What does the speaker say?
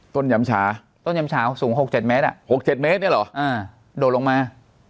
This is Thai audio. ยำชาต้นยำฉาสูง๖๗เมตรอ่ะ๖๗เมตรเนี่ยเหรออ่าโดดลงมา